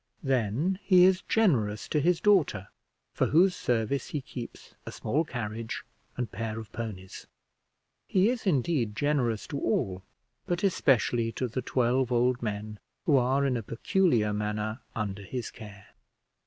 Then he is generous to his daughter, for whose service he keeps a small carriage and pair of ponies. He is, indeed, generous to all, but especially to the twelve old men who are in a peculiar manner under his care.